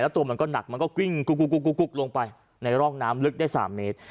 แล้วตัวมันก็หนักมันก็กลิ้งลงไปในร่องน้ำลึกได้สามเมตร